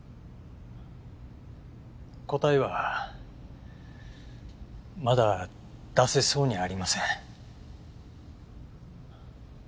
答えはまだ出せそうにありません。